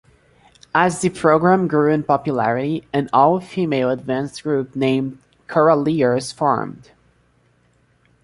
As the program grew in popularity, an all-female advanced group names Choraleers formed.